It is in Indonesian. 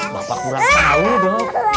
bapak kurang tahu do